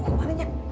eh ke mana inya